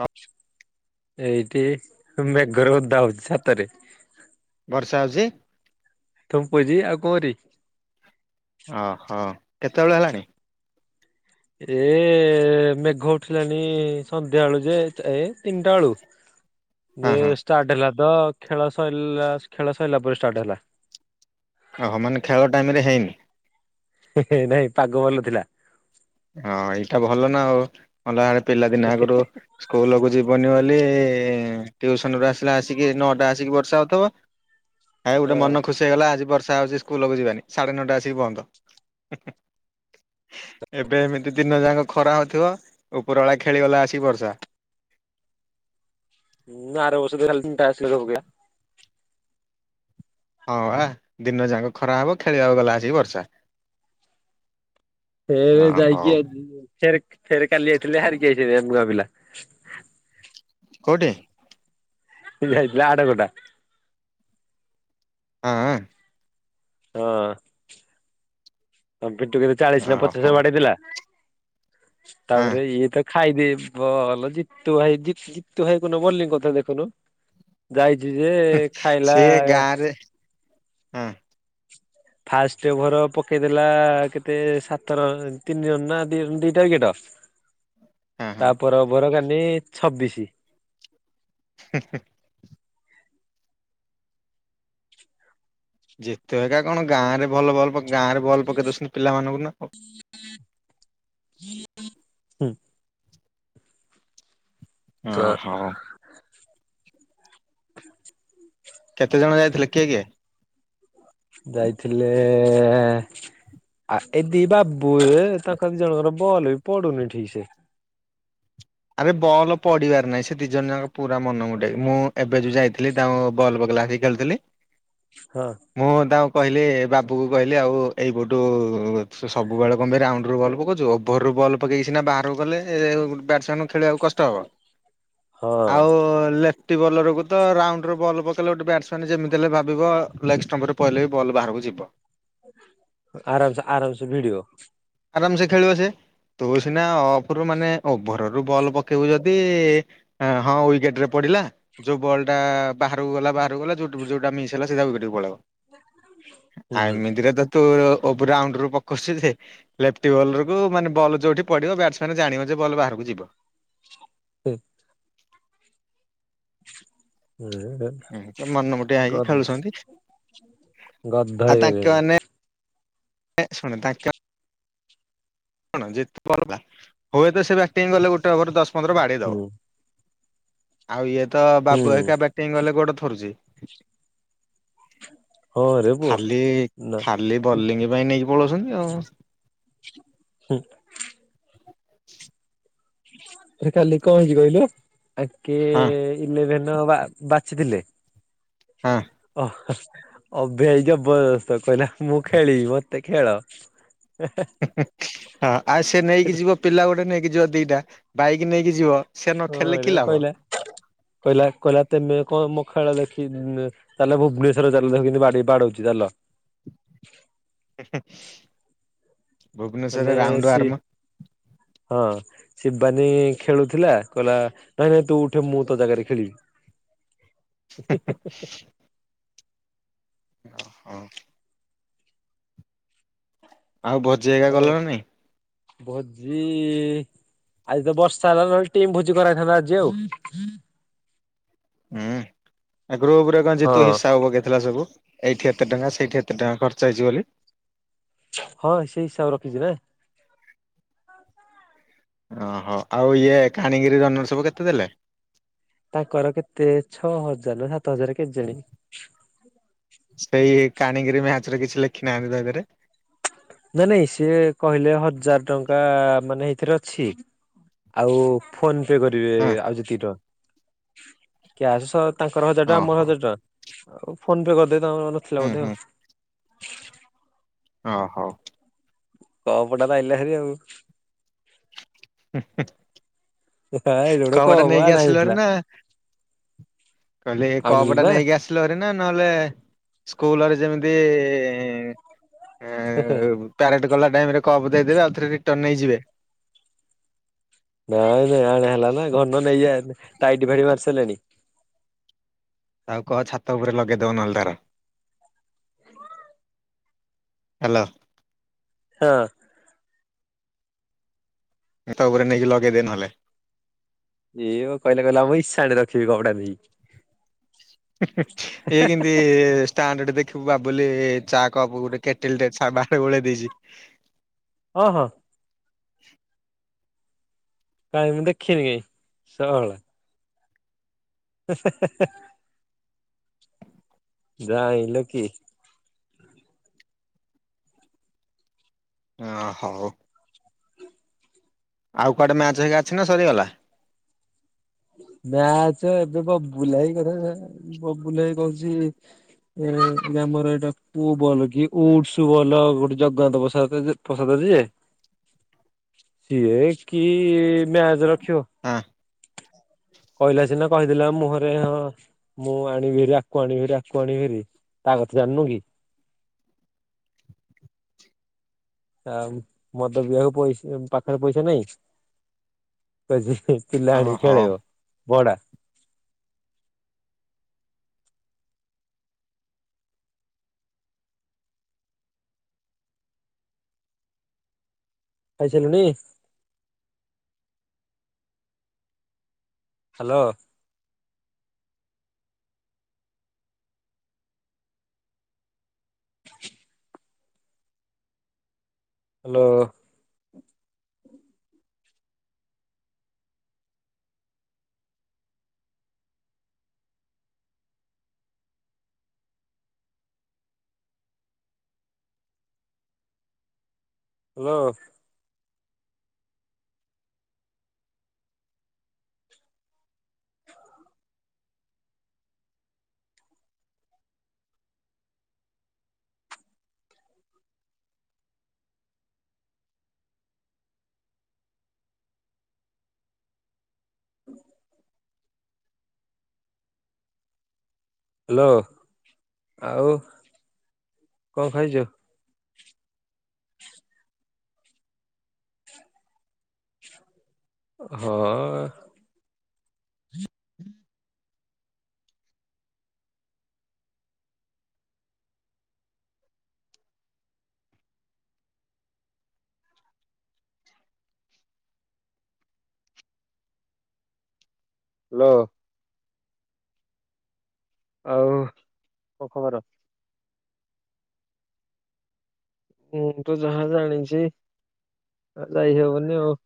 ହଁ ଏଇ ଇ ମେଘରେ ଓଦା ହୋଉଚି ଛାତରେ। ବର୍ଷା ହୋଉଛି? ତୁମ୍ପୁଜି ଆଉ କଣ କରିବି? ଓହୋ। କେତେବେଳ ହେଲାଣି? ଏ ମେଘ ଉଠେଇଲାଣି ସନ୍ଧ୍ୟାବେଳୁ ଯେ ଏ ତିନିଟା ବେଳୁ ହଁ ଏ ହଁ ଷ୍ଟାର୍ଟ ହେଲା ତ ଖେଳ ସରିଲା ଖେଳ ସଇଲା ପରେ ଷ୍ଟାର୍ଟ ହେଲା। ଓହୋ ମାନେ ଖେଳ ଟାଇମ ରେ ହେଇନି? ହେଃ ହେଃ ନାଇଁ ପାଗ ଭଲ ଥିଲା। ହଁ ଏଇଟା ଭଲ ନା ଆଉ ସନ୍ଧ୍ୟାବେଳେ ପିଲାଦିନ ଆଗରୁ ସ୍କୁଲ କୁ ଯିବନି ବୋଲି ସେ ଟିଉସନ ରୁ ଆସିଲା ଆସିକି ନଅଟା ଆସିକି ବର୍ଷା ହଉଥିବ ଆଉ ହଁ ଗୋଟେ ମନ ଖୁସି ହେଇଗଲା ଆଜି ବର୍ଷା ବର୍ଷା ହଉଛି ସ୍କୁଲକୁ ଯିବାନି ସାଢେ ନଅଟା ଆସିକି ବନ୍ଦ। ଏବେ ଏମିତି ଦିନ ଯାକ ଖରା ହଉଥିବ ଉପରବେଳା ଖେଳିଗଲା ଆସି ବର୍ଷା ମୁଁ ଆରବର୍ଷ ଖାଲି ତାସ୍ ଖେଳ ପକେଇବି। ହଁ ବା ଦିନ ଯାଙ୍କ ଖରା ହବ ଖେଳିବାକୁ ଗଲା ଆସି ବର୍ଷା। ଅ ଫେରେ ହଉ ଯାଇକି ଫେରେ ଫେରେ କାଲି ଯାଇଥିଲେ ହାରିକି ଆସିଛନ୍ତି ଏ ପୁଅପିଲା। କୋଉଠି? ଯାଇଥିଲେ ଆଡକଟା। ହଁ। ହଁ। ବିଟୁ କେତେ ଚାଳିଶ ନା ଓହୋ ପଚାଶ ବାଡେଇ ଥିଲା? ହଁ ତାପରେ ଇଏ ତା ଖାଇଦିଏ ବଲ ଜିତୁଭାଇ ଜିତ୍ ଜିତୁଭାଇ କୋଉନ ବୋଲିଂ କରୁଥିଲା ଦେଖୁନୁ ଯାଇ ଯି ଯିଏ ଖାଇଲା ସିଏ ଗାଁରେ ହଁ ଫାଷ୍ଟ ଓଭର ପକେଇଦେଲା କେତେ ସାତ ର ତିନି ରନ ନା ଦିଟା ୱିକେଟ। ହଁ ହଁ ତା ପର ଓଭର ମାନେ ଛବିଶି। ହା ହା। ଯେତେ ଜାଗା କଣ ଗାଁ ରେ ଭଲ ଭଲ ଗାଁରେ ବଲ ପକେଇ ଦଉଛନ୍ତି ପିଲମାନଙ୍କୁ ନା? ଆଉ। [inaudible] ଅ ହୁଁ ହୋ। [unintelligible] କେତେ ଜଣ ଯାଇଥିଲେ କିଏ କିଏ? ଯାଇଥିଲେ [unintelligible] ତାଙ୍କ ଦି ଜଣଙ୍କର ବଲ ବି ପଡୁନି ଠିକ ସେ। ଆରେ ବଲ୍ ପଡିବାର ନାହିଁ ସେ ଦି ଜଣ ଯାକ ପୁରା ମନ ମଟିଆ ମୁଁ ଏବେ ଯୋଉ ଯାଇଥିଲି ତାଙ୍କୁ ବଲ ପକେଇଲା ଆସିକି ଖେଳୁଥିଲି ହଁ ମୁଁ ତାଉ କହିଲେ ବାବୁକୁ କହିଲି ଆଉ ଏଇପଟୁ ସବୁବେଳେ କଣ ପାଇଁ ରାଉଣ୍ଡରୁୁ ବଲ୍ ପକାଉଛୁ ଓଭରରୁୁ ବଲ୍ ପକେଇ ସିନା ବାହାରକୁ କଲେ ବ୍ୟାଟସମ୍ୟାନ୍ ଖେଳିବାକୁ କଷ୍ଟ ହବ? ହଁ ଆଉ ଲେ ବଲରକୁ ତ ରାଉଣ୍ଡର ବଲ୍ ପକେଇଲେ ଗୋଟେ ବ୍ୟାଟ୍ସମ୍ୟାନ୍ ଯେମିତି ହେଲେ ଭାବିବ ଲେଗ୍ ଷ୍ଟମ୍ପରେ ପହିଲେ ବି ବଲ୍ ବାହାରକୁ ଯିବ ଆରାମ ସେ ଆରାମ ସେ ଭିଡିଓ ଆରାମ ସେ ଖେଳିବ ସେ ତୁ ସିନା ଅଫ ରୁ ମାନେ ଓଭର ବଲ ପକେଇବୁ ଯଦି ହଁ ୱିକେଟ ରେ ପଡିଲା ଯୋଉ ବଲ୍ ଟା ବାହାରକୁ ଗଲା ବାହାରକୁ ଗଲା ଯୋଉଟା ମିସ ହେଲା ସେଇଟା। ଆ ହୁଁ ଏମିତିରେ ତ ତୁ ରାଉଣ୍ଡ ରୁ ପକଉଛି ଲେଫିଟି ବଲ ମାନେ ବଲ୍ ଯୋଉଠି ପଡିବ ବ୍ୟାଟସମ୍ୟାାନ ଜାଣିବ ଯେ ବଲ୍ ବାହାରକୁ ଯିବ। [unintelligible] ଏମିତି ମନମୁଟିଆ ହେଇକି ଗ ଖେଳୁଛନ୍ତି ଗଧ ଆଉ ତାଙ୍କେ ହେଇଗଲେଣି ମାନେ [unintelligible] [inaudible] ହୁଏତ ସେ ବ୍ୟାଟିଂ ଗଲେ ଗୋଟେଭର ଦଶ ପନ୍ଦର ବାଡିେଇ ଦବ ହୁଁ ଆଉ ଇଏ ତ ବାବୁ ହୁଁ ହୋ ବାଟିଙ୍ଗ ଗଲେ ଗୋଟେ [unintelligible] ହଁ ରେ ପୁଅ ଖାଲି ନା ଖାଲି ବଲିଙ୍ଗ ପାଇଁ ନେଇ ବଳ ଅଛନ୍ତି ଆଉ ହୁଁ [unintelligible] ଆରେ କାଲି କଣ ହେଇଛି କହିଲୁ? ଆଙ୍କେ ହଁ ଇଲେଭେନ ବାଛିଥିଲେ ହଁ ଓ ଅ ଭାଇ ଜବରଦସ୍ତ କହିଲା ମୁଁ ଖେଳିବି ମତେ ଖେଳଅ ହଁ ଆଉ ସେ ନେଇକି କହିଲା ଯିବ ପିଲା ଗୋଟେ ନେଇକି ଯିବ ଦିଟା ବାଇକ ନେଇକି ଯିବ ସେ ନ ହଁ ଖେଳିଲେ କି ଏ ଲାଭ କହିଲା କହିଲା କହିଲା ତେମେ। ମଖାଳ ଦେଖି ଚାଲ ଭୁବନେଶ୍ୱର ଚାଲ ଦେଖ କିମିତି ବାଡେଇ ବାଡଉଚି ଚାଲ। [unintelligible] ମାନେ ଭୁନେଶ୍ବରରେ ରାଉଣ୍ଡ ସି ଆରମ୍ଭ। ହଁ ଶିବାନୀ ଖେଳୁଥିଲା କହିଲା ନାଇଁ ନାଇଁ ତୁ ଉଠେ ମୁଁ ତୋ ଜାଗାରେ ଖେଳିବି। [unintelligible] ହଁ। ଆଉ ଭଜି ଏକା ଆଉ ଗଲଣି ନା ନାହିଁ। ଭୋଜି ଆଜି ତ ବର୍ଷା ହେଲା ନହେଲେ ଟିମ୍ ଭୋଜି କରା ହେଇଥାନ୍ତା ଆଜି ଆଉ। ହୁଁ। ଗ୍ରୁପ ରେ କଣ ଜିତୁ ହଁ ହିସାବ ପକେଇଥିଲା ସବୁ। ଏଇଠି ଏତେ ଟଙ୍କା ସେଇଠି ଏତେ ଟଙ୍କା ଖର୍ଚ୍ଚ ହେଇଛି ବୋଲି। ହଁ ସେଇ ହିସାବ ରଖିଛି ନା। ଓହୋ ଆଉ ଇଏ କାଣଗିରି ଜନଲ ସବୁ କେତେ ଦେଲେ। ତାଙ୍କର କେତେ ଛଅ ହଜାର ସାତ ହଜାର କେଜାଣି। ସେଇ କାଣୀଗିରି। ରେ କିଛି ଲେଖିନାହାନ୍ତି ତ ଏଥିରେ। ନାଇ ନାଇଁ ସିଏ କହିଲେ ହଜାର ଟଙ୍କା ମାନେ ଏଇଥିରେ ଅଛି ଆଉ ଫୋନ। କେତେ କରିବେ ହଁ ଆଉ ଯେତିକିଟ [unintelligible] କ୍ୟାସ। ତାଙ୍କର ହଜାର ଟଙ୍କା ମୋର ଓହୋ ହଜାର ଟଙ୍କା। ଆଉ ଫୋନ ପେ କରିଦେ। ନଥିଲା ହୁଁ ବୋଧେ। ହୁଁ ଓ ହଉ। କପ୍ ଟା ତ ଆଇଲା ଭାରି। ହ ଏଇଟା [inaudible] ଗୋଟେ କପ ଟା ନେଇକି ଆଣା ଆସିଲ ଭାରି ହେଇନଥିଲା ନା କହିଲି କପ୍ ଆଣିଲୁ ଟା ନା ନେଇକି ଆସିଲ ଭାରି ନା। ନା ନହେଲେ ସ୍କୁଲରେ ଯେମିତି। ଆ ପ୍ୟଲେଟ ଗଲା ଟାଇମ ରେ କପ୍ ଦେଇଦେବେ ଆଉ ଥରେ ରିଟର୍ନ ନେଇଯିବେ। ନାଇଁ ନାଇଁ ଆଣେ ହେଲା ନା ଘନ ନେଇଯାନି। ଟାଇଟ୍ ଭାଡ଼ି ମାରିସାରିଲାନି। [inaudible] ଆଉ କହ ଛାତ ଉପରେ ଲଗେଇଦବ ନ ହେଲେ ତାର ହ୍ୟାଲୋ। ହଁ। ତା ଉପରେ ନେଇକି ଲଗେଇ ଦେ ନ ହେଲେ। ଏଇ କହିଲେ କହିଲା ଆମ ଇଶାନ ରେ ରଖିବି କପଡ଼ା ଦେଇକି। ହଇଗଛନ୍ତିି ସ୍ଷ୍ଟାଣ୍ଡର୍ଡ ଦେ [inaudible] ଦେଖିବୁ ବା ବୁଲି ଚା କପ ଗୋଟେ କେଟିଲ ଟେ ବା ବଳେଇ [inaudible] ଦେଇଛି। ହଁ ହଁ। [inaudible] କାହିଁ ମୁଁ ଦେଖିନି କାଇହିଁ ସଳ ହ [inaudible] ଯା ହେଲେ କି? ହ ହଉ ଆଉ କୁଆଡେ ମ୍ୟାଚ ହେଇକି ଅଛି ନା ସରିଗଲା। ମ୍ୟାଚ୍ ଏବେ କ ବୁଲାଇ କରି ବବୁଲଭାଇ କହୁଛି ଏ ଆମର ଏଇଟା ପୁଅ ଭଲ କି ଉଡସ ଭଲ ଗୋଟେ ଜଗନ୍ନାଥ ପ୍ରସାଦ ପ୍ରସାଦ ଯିଏ। [inaudible] ସିଏ କି ମ୍ୟାଚ ହଁ [inaudible] କହିଲା ସିନା କହିଦେଲା ମୁହଁରେ ହଁ ମୁଁ ଆଣିବି କିରି ଆକୁ ଆଣିବି କିରି ଆକୁ ଆଣିବି କିରି ତା କଥା ଜାଣିନୁ କି? [inaudible] ଆ ମଦ ପିଇବାକୁ ପଇସା ପାଖରେ ପଇସା ନାହିଁ। [inaudible] ପିଲା ହଁ ଆଣି ହଉ। ଖେଳେଇବ। ଭଡ଼ା [inaudible] ଖାଇସାଇଲୁଣି? [inaudible] ହାଲୋ। ହାଲୋ। ହାଲୋ। [inaudible] ହାଲୋ ଆଉ [inaudible] କଣ ଖାଇଛୁ? [inaudible] ହଁ। [inaudible] ହାଲୋ। ଆଉ କ ଖବର? ମୁଁ ତୁ ଯାହା ଜାଣିଛି [inaudible] ଯାଇହବନି ଆଉ।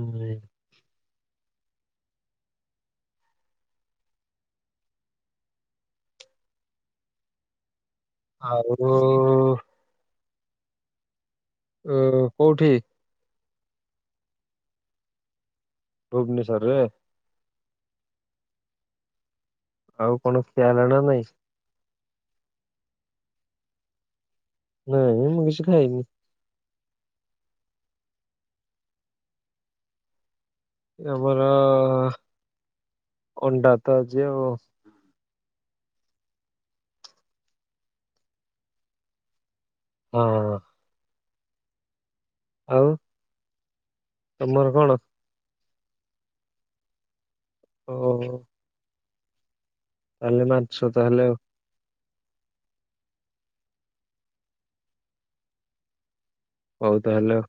ଉଁ ହୁଁ। [inaudible] ଆଉ ଅ କୋଉଠି? ଭୁବନେଶ୍ୱରରେ। ଆଉ କଣ ଖିଆହେଲା ନା ନାଇଁ? ନାଇଁ ମୁଁ କିଛି ଖାାଇନି। ଆମର [inaudible] ଅଣ୍ଡା ତ ଯେଉ ହଁ। ଆଉ [inaudible] ତମର କଣ? ଓହୋ। ତାହଲେ ମାଛ ତାହଲେ। ହଉ ତାହେଲେ।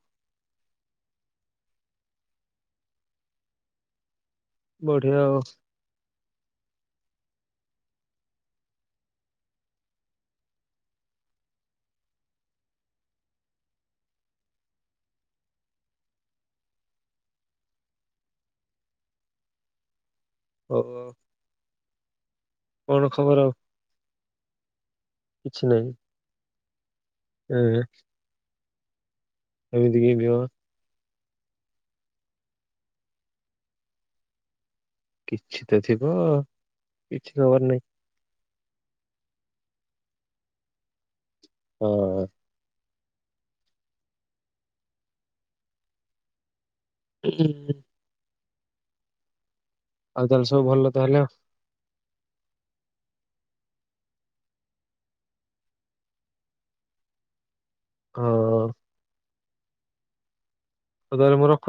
ବଢିଆ ଆଉ। ହଉ। କଣ ଖବର ଆଉ? କିଛି ନାହିଁ। ହୁଁ। ଏମିତି କିଏ ଯିବ। କିଛି ତ ଥିବ କିଛି ଖବର ନାହିଁ। ହଁ। [inaudible] ଆଉ ତାହେଲେ ସବୁ ଭଲ ତାହେଲେ ଆଉ। [inaudible] ହଁ। ହଉ ତାହେଲେ ମୁଁ ରଖୁ